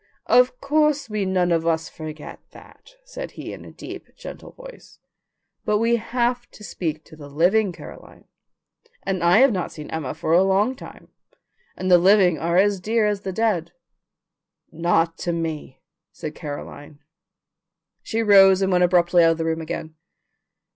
"Of course, we none of us forget that," said he, in a deep, gentle voice, "but we have to speak to the living, Caroline, and I have not seen Emma for a long time, and the living are as dear as the dead." "Not to me," said Caroline. She rose, and went abruptly out of the room again.